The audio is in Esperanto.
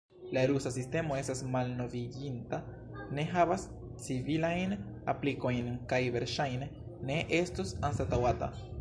La rusa sistemo estas malnoviĝinta, ne havas civilajn aplikojn kaj verŝajne ne estos anstataŭata.